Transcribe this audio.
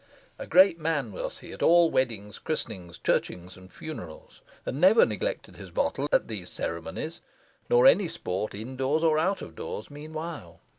A great man was he at all weddings, christenings, churchings, and funerals, and never neglected his bottle at these ceremonies, nor any sport in doors or out of doors, meanwhile.